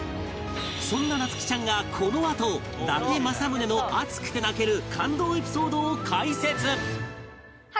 そんな夏姫ちゃんがこのあと伊達政宗の熱くて泣ける感動エピソードを解説！